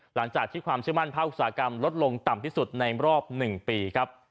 หลังจากที่ความเชื่อมั่นภาคอุตสาหกรรมลดลงต่ำที่สุดในรอบ๑ปีครับ